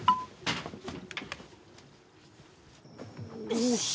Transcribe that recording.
「」よし！